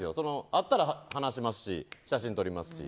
会ったら話しますし写真撮りますし。